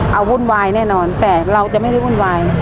เอาวุ่นวายแน่นอนแต่เราจะไม่ได้วุ่นวาย